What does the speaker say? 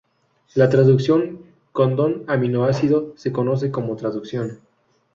La traducción codón-aminoácido se conoce como traducción.